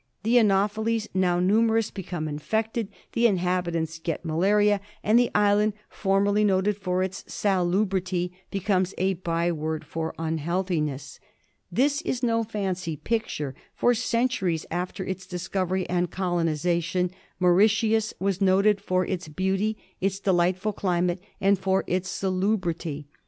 The anopheles, now numerous, become infected, the inhabitants get malaria, and the island, formerly noted for its salubrity, becomes a by word for un healthiness. This is no fancy picture. For centuries after its dis covery and colonisation Mauritius was noted for its beauty, its delightful climate, and for its salubrity.